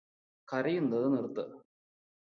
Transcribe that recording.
കരയുന്നത് നിർത്ത്